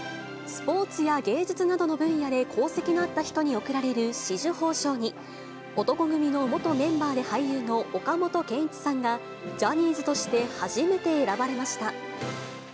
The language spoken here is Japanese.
スポーツや芸術などの分野で功績のあった人に贈られる紫綬褒章に、男闘呼組の元メンバーで俳優の岡本健一さんがジャニーズとして初めて選ばれました。